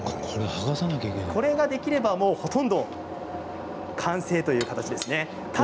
これができれば、もうほとんど完成ということですね。